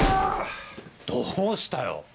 どうしたよ？